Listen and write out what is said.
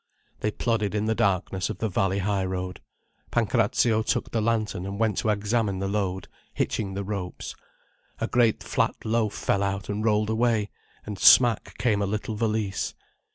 They plodded in the darkness of the valley high road. Pancrazio took the lantern and went to examine the load, hitching the ropes. A great flat loaf fell out, and rolled away, and smack came a little valise.